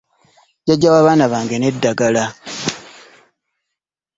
Jajjja w'abaana bange n'eddagala .